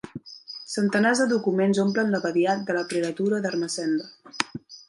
Centenars de documents omplen l'abadiat de la prelatura d'Ermessenda.